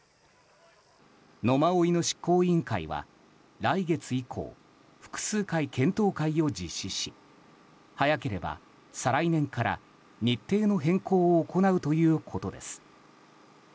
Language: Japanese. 野馬追の執行委員会は来月以降、複数回検討会を実施し早ければ再来年から日程の変更を行うということです。